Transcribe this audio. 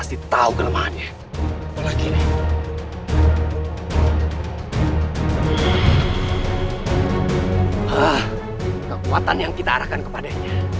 salah satu musuh premier incorporternya